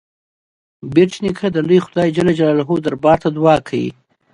بېټ نیکه د لوی خدای جل جلاله دربار ته دعا کوي.